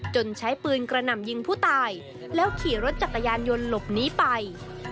ใช้ปืนกระหน่ำยิงผู้ตายแล้วขี่รถจักรยานยนต์หลบหนีไป